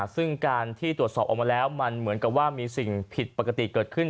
ซึ่งการที่ตรวจสอบออกมาแล้วมันเหมือนกับว่ามีสิ่งผิดปกติเกิดขึ้น